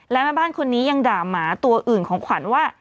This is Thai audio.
และแม่บ้านคนนี้ยังด่าหมาตัวอื่นของขวัญว่า